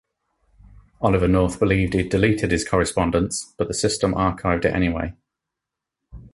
Oliver North believed he had deleted his correspondence, but the system archived it anyway.